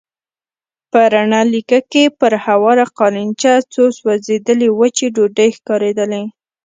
په رڼه لېکه کې پر هواره قالينچه څو سوځېدلې وچې ډوډۍ ښکارېدلې.